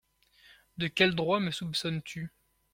De quel droit me soupçonnes-tu ?